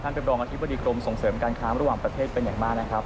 เป็นรองอธิบดีกรมส่งเสริมการค้าระหว่างประเทศเป็นอย่างมากนะครับ